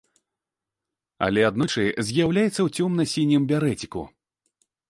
Але аднойчы з'яўляецца ў цёмна-сінім берэціку.